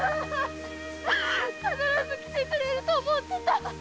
必ず来てくれると思ってた！